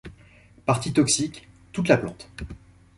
Parties toxiques: Toute la plante.